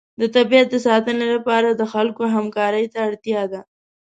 د طبیعت د ساتنې لپاره د خلکو همکارۍ ته اړتیا ده.